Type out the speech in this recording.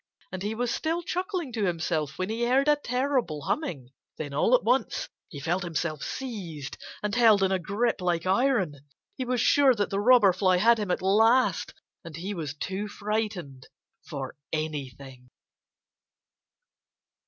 And he was still chuckling to himself when he heard a terrible humming. Then all at once he felt himself seized and held in a grip like iron. He was sure that the Robber Fly had him at last. And he was too frightened for anything.